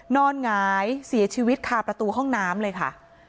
หงายเสียชีวิตคาประตูห้องน้ำเลยค่ะ